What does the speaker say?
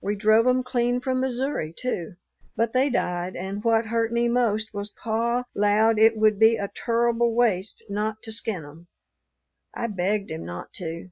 We drove 'em clean from Missouri, too. But they died, and what hurt me most was, pa 'lowed it would be a turrible waste not to skin 'em. I begged him not to.